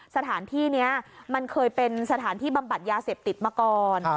สถานที่นี้มันเคยเป็นสถานที่บำบัดยาเสพติดมาก่อน